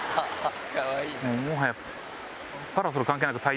もはや。